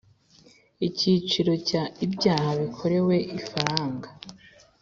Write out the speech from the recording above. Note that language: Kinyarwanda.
Icyiciro cya ibyaha bikorewe ifaranga